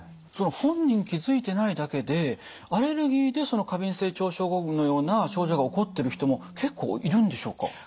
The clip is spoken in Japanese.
本人気付いてないだけでアレルギーでその過敏性腸症候群のような症状が起こってる人も結構いるんでしょうか？